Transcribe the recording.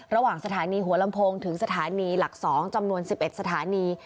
ระหว่างสถานีหัวลำโพงถึงสถานีหลัก๒จำนวน๑๑สถานี